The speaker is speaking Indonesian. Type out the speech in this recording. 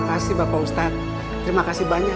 terima kasih bapak ustadz terima kasih banyak